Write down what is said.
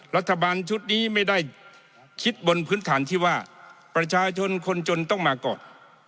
รัฐบาลชุดนี้ไม่ได้คิดบนพื้นฐานที่ว่าประชาชนคนจนต้องมาก่อน